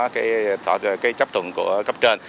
cái chấp thuận của cấp trên